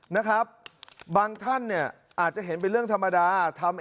นะครับบางท่านเนี่ยอาจจะเห็นเป็นเรื่องธรรมดาทำ